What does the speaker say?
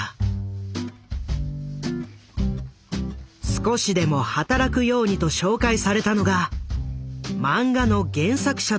少しでも働くようにと紹介されたのが「漫画の原作者」という仕事。